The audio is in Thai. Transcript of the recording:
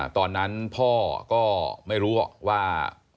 ตอนนั้นพ่อก็ไม่รู้หรอกว่า